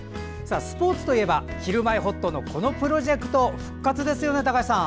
スポーツといえば「ひるまえほっと」のこのプロジェクト、復活ですよね高橋さん。